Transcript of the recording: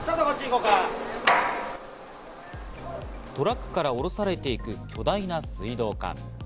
トラックから下ろされていく巨大な水道管。